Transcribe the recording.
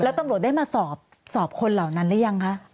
แล้วตำรวจได้มาสอบคนเหล่านั้นหรือยังคะ